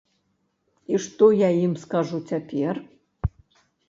І што я ім скажу цяпер?